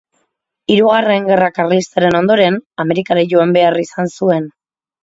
Hirugarren Gerra Karlistaren ondoren, Amerikara joan behar izan zuen.